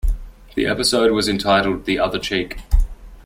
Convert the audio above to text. The episode was entitled "The Other Cheek".